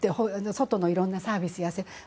外のいろんなサービスなどに。